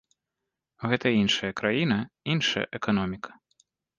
Гэта іншая краіна, іншая эканоміка.